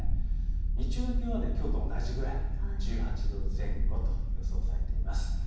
日中の気温はきょうと同じぐらい１８度前後と予想されています。